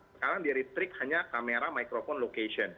sekarang di retrik hanya kamera microphone location